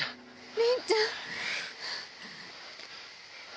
倫ちゃん！